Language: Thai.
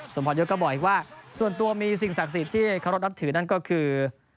พรยศก็บอกอีกว่าส่วนตัวมีสิ่งศักดิ์สิทธิ์ที่เคารพนับถือนั่นก็คือ